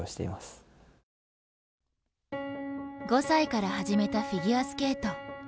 ５歳から始めたフィギュアスケート。